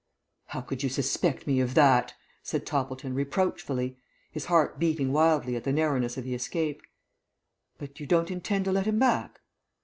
"How could you suspect me of that?" said Toppleton, reproachfully, his heart beating wildly at the narrowness of the escape. "But you don't intend to let him back?"